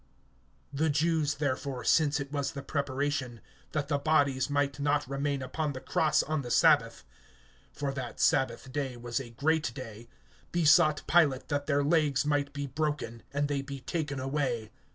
(31)The Jews therefore, since it was the preparation, that the bodies might not remain upon the cross on the sabbath (for that sabbath day was a great day), besought Pilate that their legs might be broken, and they be taken away.